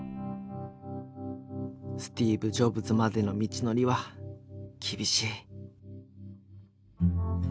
スティーブ・ジョブズまでの道のりは厳しい。